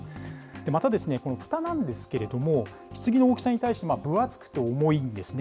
また、このふたなんですけれども、ひつぎの大きさに対して、分厚くて重いんですね。